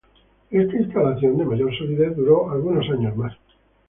Esta instalación, de mayor solidez, duró algunos años más.